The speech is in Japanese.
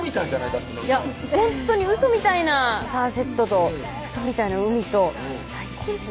だってほんとにウソみたいなサンセットとウソみたいな海と最高ですね